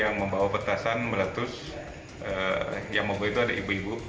yang membawa petasan meletus yang mogok itu ada ibu ibu